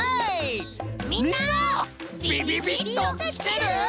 みんなビビビッときてる？